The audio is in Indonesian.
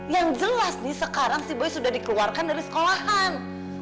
yang jelas nih sekarang si bayi sudah dikeluarkan dari sekolahan